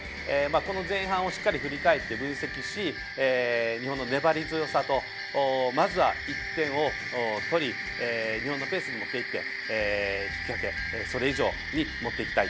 この前半をしっかり振り返って分析して日本の粘り強さとまず１点を取り、日本のペースに持っていって引き分け、それ以上に持っていきたい。